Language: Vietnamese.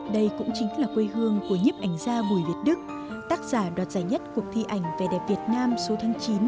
đây cũng chính là quê hương của nhếp ảnh gia bùi việt đức tác giả đoạt giải nhất cuộc thi ảnh vẻ đẹp việt nam số tháng chín